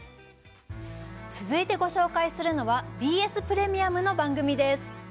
続いて、ご紹介するのはＢＳプレミアムの番組です。